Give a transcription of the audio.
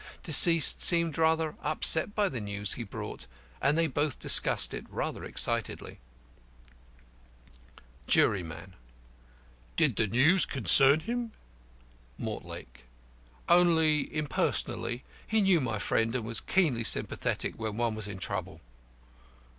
Deceased seemed rather upset by the news he brought, and they both discussed it rather excitedly. By a JURYMAN: Did the news concern him? MORTLAKE: Only impersonally. He knew my friend, and was keenly sympathetic when one was in trouble.